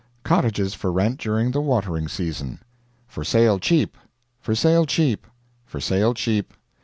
COTTAGES FOR RENT DURING THE WATERING SEASON. FOR SALE CHEAP. FOR SALE CHEAP. FOR SALE CHEAP.